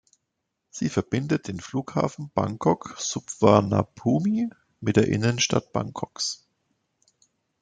Sie verbindet den Flughafen Bangkok-Suvarnabhumi mit der Innenstadt Bangkoks.